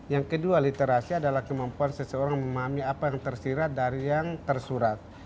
yang kedua literasi adalah kemampuan seseorang memahami apa yang tersirat dari yang tersurat